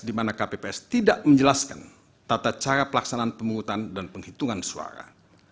di mana kpps tidak menjelaskan tata cara pelaksanaan pemungutan dan penghitungan suara